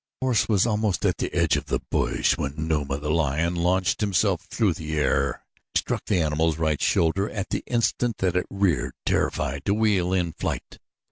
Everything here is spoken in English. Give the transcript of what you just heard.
The horse was almost at the edge of the bush when Numa, the lion, launched himself through the air. He struck the animal's right shoulder at the instant that it reared, terrified, to wheel in flight.